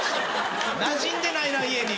なじんでないな家に。